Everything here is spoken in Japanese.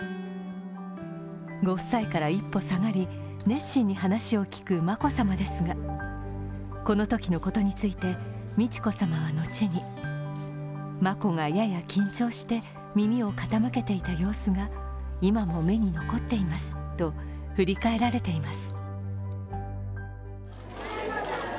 ご夫妻から１歩下がり熱心に話を聞く眞子さまですがこのときのことについて、美智子さまは後に眞子がやや緊張して、耳を傾けた様子が残っていますと振り返られています。